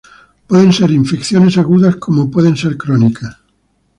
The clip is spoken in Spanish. Pueden ser infecciones agudas como pueden ser crónicas.